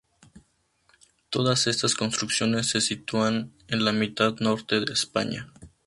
Todas estas construcciones se sitúan en la mitad norte de España.